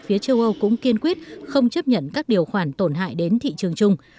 phía châu âu cũng kiên quyết không chấp nhận các điều khoản tổn hại đến thị trường chung